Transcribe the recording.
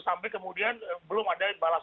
sampai kemudian belum ada balas